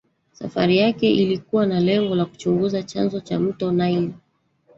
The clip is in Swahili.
Safari yake ilikuwa na lengo la kuchunguza chanzo cha mto Naili